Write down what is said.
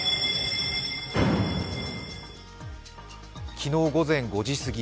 昨日午前５時すぎ